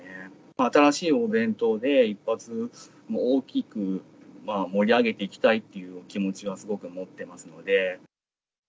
新しいお弁当で一発、大きく盛り上げていきたいっていう気持ちはすごく持ってますので。